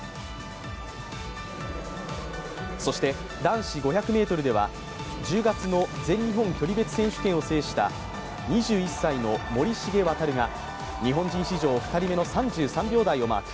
そして、男子５００ｍでは、１０月の全日本距離別選手権を制した２１歳の森繁航が日本人史上２人の３３秒台をマーク。